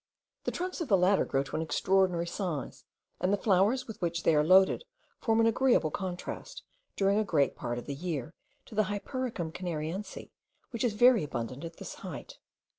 The trunks of the latter grow to an extraordinary size; and the flowers with which they are loaded form an agreeable contrast, during a great part of the year, to the Hypericum canariense, which is very abundant at this height.